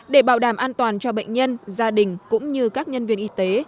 để bảo đảm an toàn cho bệnh nhân gia đình cũng như các nhân viên y tế